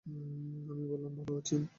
আমি বললাম, ভাল আছেন?